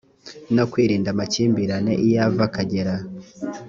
no kwirinda amakimbirane iyo ava akagera